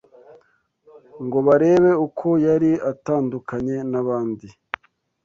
ngo barebe uko yari atandukanye n’abandi